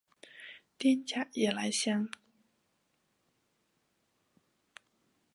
滇假夜来香